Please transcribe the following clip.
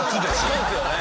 そうですよね。